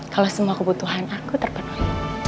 kalau semua kebutuhan aku terpenuhi